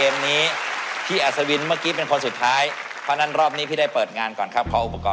เลือกกล่องไหนดีครับ